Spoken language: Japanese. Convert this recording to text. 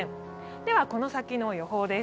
ではこの先の予報です。